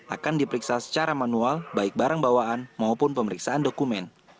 akan diperiksa secara manual baik barang bawaan maupun pemeriksaan dokumen